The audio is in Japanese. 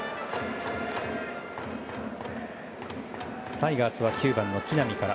タイガースは９番の木浪から。